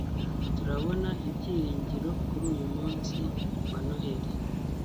turabona ibyiringiro kuri uyu munsi wa noheri